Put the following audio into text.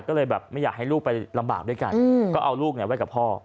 ก็เลยแบบไม่อยากให้ลูกไปลำบากด้วยกันก็เอาลูกไว้กับพ่อ